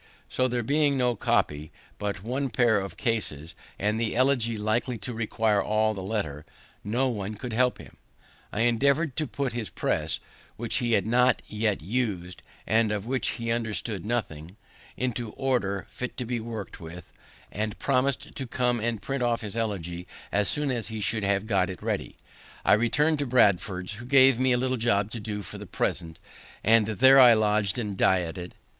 So there being no copy, but one pair of cases, and the Elegy likely to require all the letter, no one could help him. I endeavour'd to put his press (which he had not yet us'd, and of which he understood nothing) into order fit to be work'd with; and, promising to come and print off his Elegy as soon as he should have got it ready, I return'd to Bradford's, who gave me a little job to do for the present, and there I lodged and dieted.